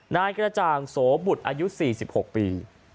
นายกระจ่างโสบุตรอายุ๔๖ปี